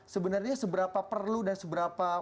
sebenarnya seberapa perlu dan seberapa